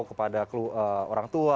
kepada orang tua